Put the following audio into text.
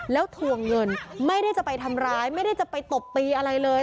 แล้วทวงเงินไม่ได้จะไปทำร้ายไม่ได้จะไปตบตีอะไรเลย